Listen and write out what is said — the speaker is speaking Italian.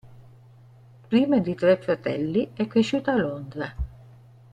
Prima di tre fratelli, è cresciuta a Londra.